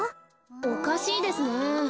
おかしいですね。